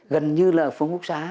gần như là phường phúc xá